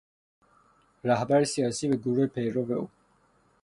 رهبر سیاسی و گروه پیرو او